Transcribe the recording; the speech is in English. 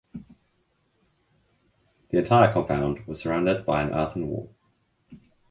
The entire compound was surrounded by an earthen wall.